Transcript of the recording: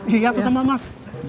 iya sesama mas